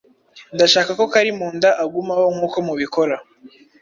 Ndashaka ko Kalimunda agumaho nkuko mubikora.